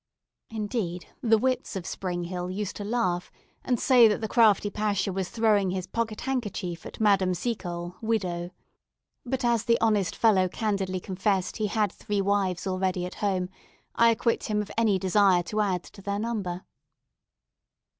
Indeed, the wits of Spring Hill used to laugh, and say that the crafty Pacha was throwing his pocket handkerchief at Madame Seacole, widow; but as the honest fellow candidly confessed he had three wives already at home, I acquit him of any desire to add to their number.